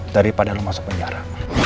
daripada lo masuk penjara